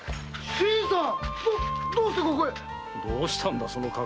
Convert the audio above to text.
新さん！